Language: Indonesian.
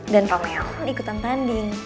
dan romeo ikutan tanding